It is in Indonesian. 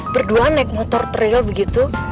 berdua naik motor trail begitu